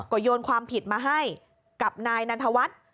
ก็โยนความผิดมาให้กับนายนันทวัฒน์